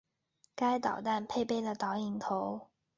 该导弹配备了导引头。